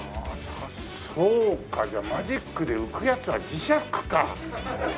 そうかじゃあマジックで浮くやつは磁石か。